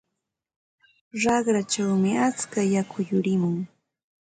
Raqrachawmi atska yaku yurimun.